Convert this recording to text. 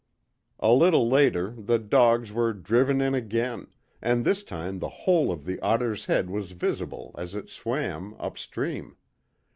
A little later, the dogs were driven in again, and this time the whole of the otter's head was visible as it swam, up stream.